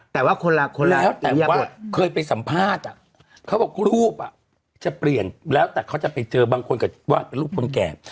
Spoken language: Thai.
แล้วแต่ว่าเคยไปสัมภาษณ์อ่ะเขาบอกรูปอ่ะจะเปลี่ยนแล้วแต่เขาจะไปเจอบางคนกับวาดเป็นรูปคนแก่